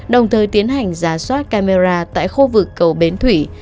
đồng thời tiến hành giả soát camera tại khu vực cầu bến thủy